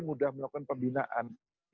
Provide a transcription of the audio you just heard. mudah melakukan pembinaan